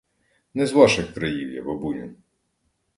Не з ваших країв я, бабуню.